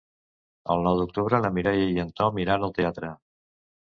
El nou d'octubre na Mireia i en Tom iran al teatre.